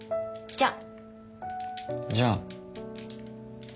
じゃあ。